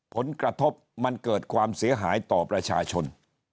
ผลกระทบมันเกิดความเสียหายต่อประชาชน